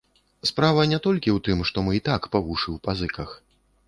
Справа не толькі ў тым, што мы і так па вушы ў пазыках.